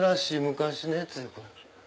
昔のやつ。